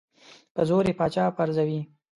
په زور یې پاچا پرزوي.